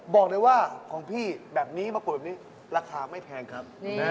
บอกเลยว่าของพี่แบบนี้มะกดแบบนี้ราคาไม่แพงครับ